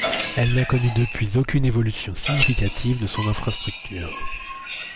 Elle n'a connu depuis aucune évolution significative de son infrastructure.